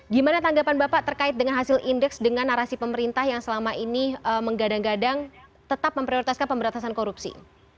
gimana tanggapan bapak terkait dengan hasil indeks dengan narasi pemerintah yang selama ini menggadang gadang tetap memprioritaskan pemberantasan korupsi